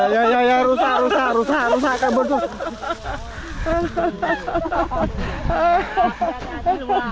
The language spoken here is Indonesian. ya ya ya rusak rusak rusak rusak kabur tuh